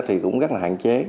thì cũng rất là hạn chế